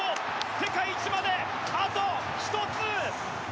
世界一まであと１つ！